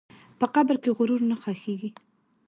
په قبر کې غرور نه ښخېږي.